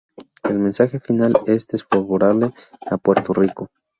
El mensaje final es desfavorable a Puerto Rico.